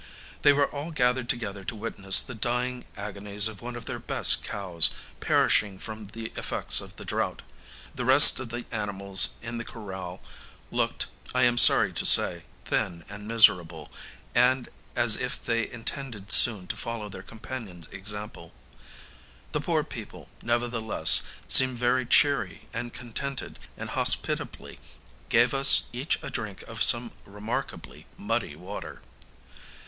They were all gathered together to witness the dying agonies of one of their best cows, perishing from the effects of the drought. The rest of the animals in the corral looked, I am sorry to say, thin and miserable, and as if they intended soon to follow their companion's example. The poor people, nevertheless, seemed very cheery and contented, and hospitably gave us each a drink of some remarkably muddy water.